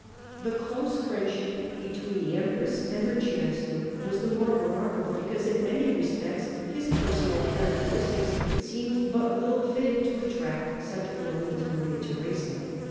The close friendship between the empress and her chancellor was the more remarkable because in many respects his personal characteristics seemed but little fitted to attract such a woman as Maria Theresa.